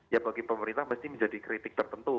ya bagi pemerintah mesti menjadi kritik tertentu